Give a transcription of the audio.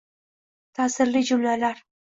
Ta'sirli jumlalar!